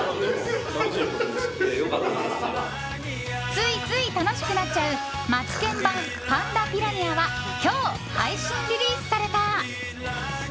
ついつい楽しくなっちゃうマツケン版「パンダピラニア」は今日、配信リリースされた！